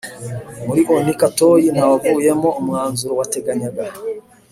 Muri onu katoye ntawuvuyemo umwanzuro wateganyaga